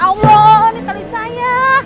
allah ini tali saya